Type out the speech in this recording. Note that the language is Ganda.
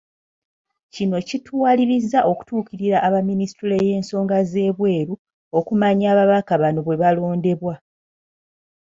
Kino kituwalirizza okutuukirira aba Minisitule y'ensonga z'ebweru okumanya ababaka bano bwe balondebwa.